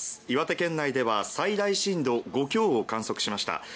岩手県内では最大震度５強を観測しました。